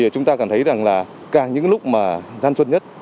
chúng ta cảm thấy rằng là càng những lúc mà gian xuân nhất